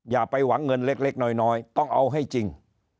อย่าไปหวังเงินเล็กน้อยต้องเอาให้จริง